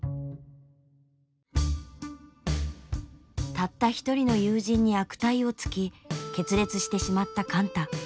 たった一人の友人に悪態をつき決裂してしまった貫多。